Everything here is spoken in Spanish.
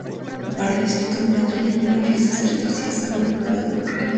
Para el escritor madrileño, la Fiesta se reducía a sangre, crueldad y porquería.